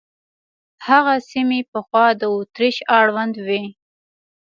هغه سیمې پخوا د اتریش اړوند وې.